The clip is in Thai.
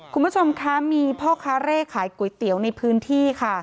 คุณผู้ชมคะมีพ่อค้าเร่ขายก๋วยเตี๋ยวในพื้นที่ค่ะ